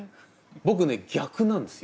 僕ね逆なんですよ。